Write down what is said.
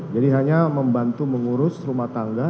jadi hanya membantu mengurus rumah tangga